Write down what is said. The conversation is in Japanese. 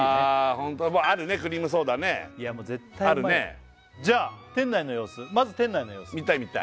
ホントあるねクリームソーダねいやもう絶対うまいよじゃあ店内の様子まず店内の様子見たい